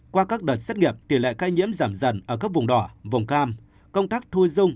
qua các đợt xét nghiệp tỷ lệ khai nhiễm giảm dần ở cấp vùng đỏ vùng cam công tác thu dung